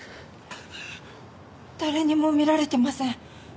誰にも見られてません。